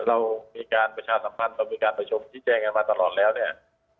เรามีการประชาสัมพันธ์เรามีการประชุมชี้แจงกันมาตลอดแล้วเนี่ย